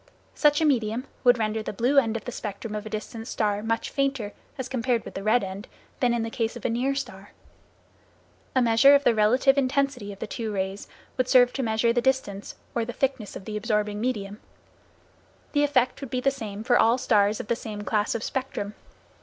Such a medium would render the blue end of the spectrum of a distant star much fainter, as compared with the red end, than in the case of a near star. A measure of the relative intensity of the two rays would servo to measure the distance, or thickness of the absorbing medium. The effect would be the same for all stars of the same class of spectrum.